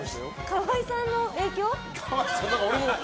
河合さんの影響？